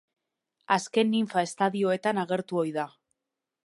Azken ninfa-estadioetan agertu ohi da.